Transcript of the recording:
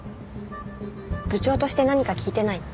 部長として何か聞いてない？